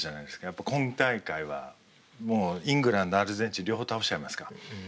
やっぱ今大会はイングランドアルゼンチン両方倒しちゃいますか？